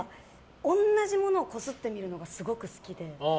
同じものをこすって見るのがすごい好きで。